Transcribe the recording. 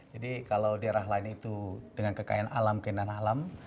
jadi kalau daerah lain itu dengan kekayaan alam kekayaan dan alam